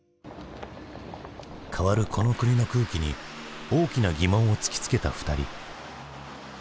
変わるこの国の空気に大きな疑問を突きつけた２人。